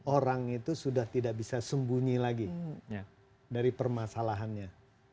orang itu sudah tidak bisa sembunyi lagi dari permasalahannya